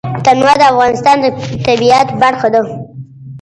تنوع د افغانستان د طبیعت برخه ده.